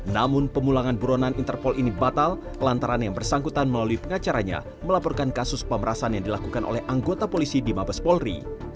namun pemulangan buronan interpol ini batal lantaran yang bersangkutan melalui pengacaranya melaporkan kasus pemerasan yang dilakukan oleh anggota polisi di mabes polri